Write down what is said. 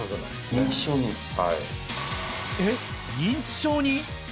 はいえっ認知症に？